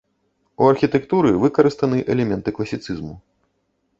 У архітэктуры выкарыстаны элементы класіцызму.